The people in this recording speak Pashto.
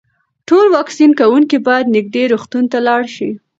ټول واکسین کوونکي باید نږدې روغتون ته لاړ شي.